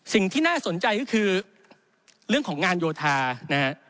สิ่งที่น่าสนใจก็คือเรื่องของงานโยธานะฮะ